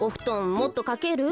もっとかける？